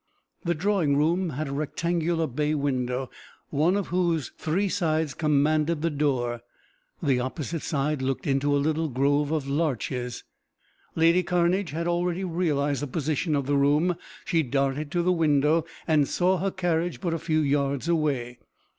The drawing room had a rectangular bay window, one of whose three sides commanded the door. The opposite side looked into a little grove of larches. Lady Cairnedge had already realized the position of the room. She darted to the window, and saw her carriage but a few yards away.